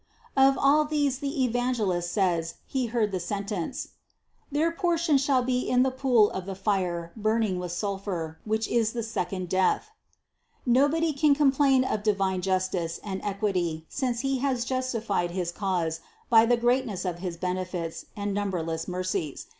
264. Of all these the Evangelist says he heard the sentence, "Their portion shall be in the pool of the fire burning with sulphur, which is the second death." No body can complain of divine justice and equity since He has justified his cause by the greatness of his benefits and numberless mercies.